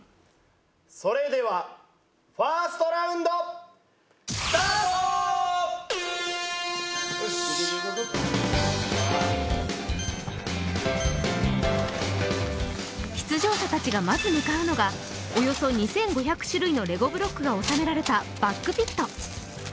それではファーストラウンド出場者たちがまず向かうのがおよそ２５００種類のレゴブロックが収められたバックピット